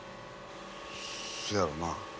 せやろな。